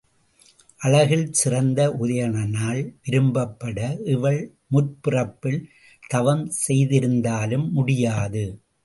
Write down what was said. அழகிற் சிறந்த உதயணனால் விரும்பப்பட இவள் முற்பிறப்பில் தவம் செய்திருந்தாலும் முடியாது.